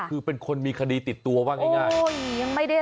คือเป็นคนมีคดีติดตัวเป็นคนมีคดีติดตัวบ้างง่าย